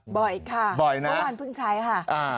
บ่อยค่ะเพราะว่าพึ่งใช้ค่ะ